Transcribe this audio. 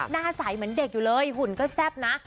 หน้าใสเหมือนเด็กอยู่เลยหุ่นก็แซ่บนะ